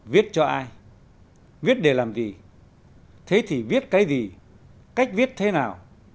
viết cho ai viết để làm gì thế thì viết cái gì cách viết thế nào